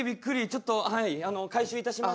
ちょっと回収いたします。